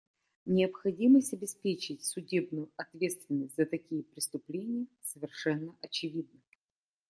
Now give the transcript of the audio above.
Необходимость обеспечить судебную ответственность за такие преступления совершенно очевидна.